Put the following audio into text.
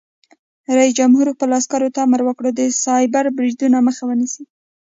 رئیس جمهور خپلو عسکرو ته امر وکړ؛ د سایبري بریدونو مخه ونیسئ!